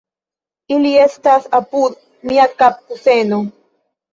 Ili estas apud mia kapkuseno.